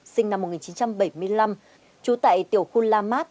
sinh năm một nghìn chín trăm bảy mươi năm trú tại tiểu khu la mát